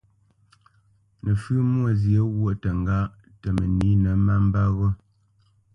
Nəfʉ́ Mwôzyě ghwôʼ təŋgáʼ tə mənǐnə má mbə́ ghó.